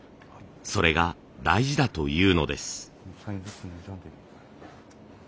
それが大事だというのです。